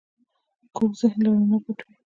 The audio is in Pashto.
کوږ ذهن له رڼا پټ وي